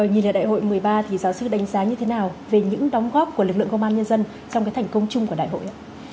nhìn là đại hội một mươi ba thì giáo sư đánh giá như thế nào về những đóng góp của lực lượng công an nhân dân trong thành công chung của đại hội ạ